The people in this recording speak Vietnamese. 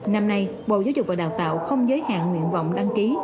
năm nay bộ giáo dục và đào tạo không giới hạn nguyện vọng đăng ký